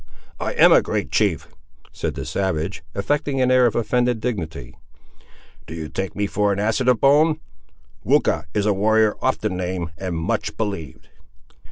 "I am a great chief!" said the savage, affecting an air of offended dignity. "Do you take me for an Assiniboine? Weucha is a warrior often named, and much believed!"